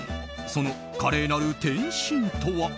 その華麗なる転身とは？